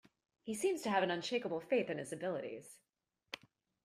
He seems to have an unshakeable faith in his abilities.